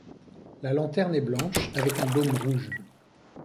La lanterne est blanche avec un dôme rouge.